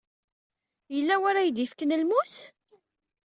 Yella w ara yi-d-yefken lmus?